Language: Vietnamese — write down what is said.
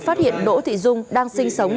phát hiện đỗ thị dung đang sinh sống